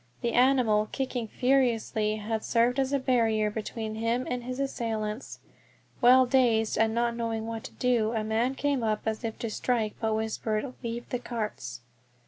The animal, kicking furiously, had served as a barrier between him and his assailants. While dazed and not knowing what to do a man came up as if to strike, but whispered, "Leave the carts."